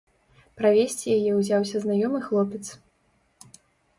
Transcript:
Правесці яе ўзяўся знаёмы хлопец.